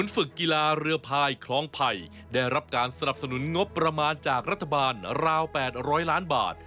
ฝึกกีฬาเรือพายคล้องไผ่ได้รับการสนับสนุนงบประมาณจากรัฐบาลราว๘๐๐ล้านบาท